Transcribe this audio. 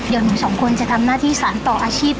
เดี๋ยวหนูสองคนจะทำหน้าที่สารต่ออาชีพ